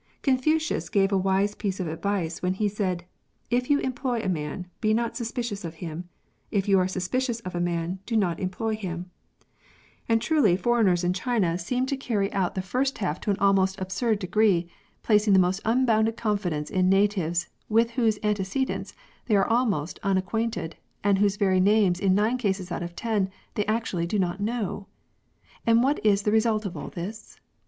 Confucius gave a wise piece of advice when he said, "If you employ a man, be not suspicious of him ; if you are suspicious of a man, do not employ him "— and truly foreigners in China seem THIEVING. to carry out the first half to an almost absurd degree, placing the most unbounded confidence in natives with whose antecedents they are almost always un acquainted, and whose very names in nine cases out of ten they actually do not know ! And what is the result of all this